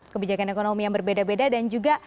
kebijakan ekonomi yang berbeda beda dan juga